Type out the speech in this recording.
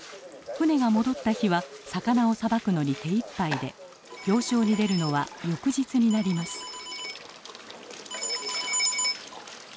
船が戻った日は魚をさばくのに手いっぱいで行商に出るのは翌日になります。